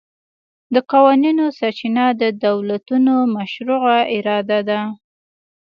د قوانینو سرچینه د دولتونو مشروعه اراده ده